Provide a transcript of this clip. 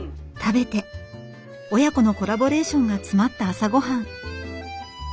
親子のコラボレーションが詰まった朝ごはん。